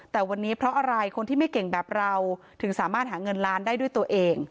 แต่วันนี้เพราะอะไรคนที่ไม่เก่งแบบเราถึงสามารถหาเงินล้านได้ด้วยตัวเอง